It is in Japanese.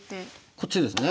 こっちですね。